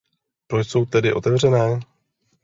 Proč jsou tedy otevřené?